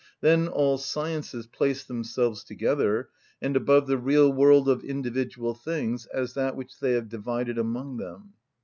Then all sciences place themselves together, and above the real world of individual things, as that which they have divided among them.